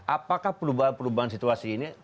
apakah perubahan perubahan situasi ini